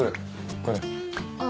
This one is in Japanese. これ。